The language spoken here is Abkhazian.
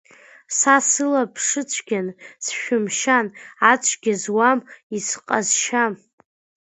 Са слаԥшыцәгьан сшәымшьан, ацәгьа зуам, исҟазшьам.